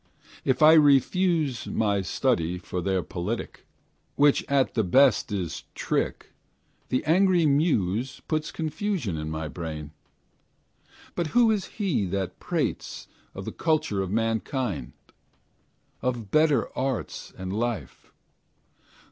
If I refuse My study for their politique, Which at the best is trick, The angry Muse Puts confusion in my brain. But who is he that prates Of the culture of mankind, Of better arts and life?